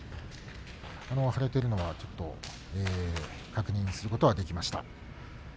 腫れているのは確認することができました。